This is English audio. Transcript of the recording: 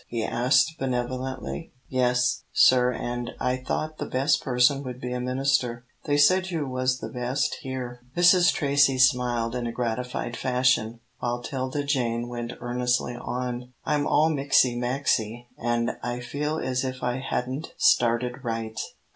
he asked, benevolently. "Yes, sir an' I thought the best person would be a minister they said you was the best here." Mrs. Tracy smiled in a gratified fashion, while 'Tilda Jane went earnestly on, "I'm all mixy maxy, an' I feel as if I hadn't started right.